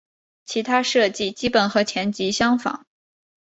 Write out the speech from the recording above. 其他设计基本和前级相仿。